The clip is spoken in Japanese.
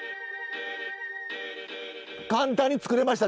簡単に作れました？